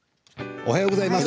おはようございます。